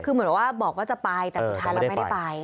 คือเหมือนว่าบอกว่าจะไปแต่สุดท้ายแล้วไม่ได้ไป